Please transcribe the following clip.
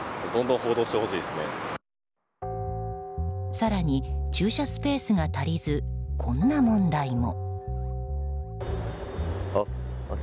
更に、駐車スペースが足りずこんな問題も。